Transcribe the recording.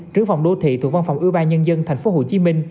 trưởng phòng đô thị thuộc văn phòng ủy ban nhân dân tp hcm